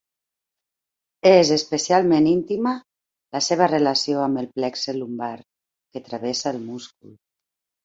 És especialment íntima la seva relació amb el plexe lumbar, que travessa el múscul.